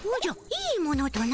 いいものとな？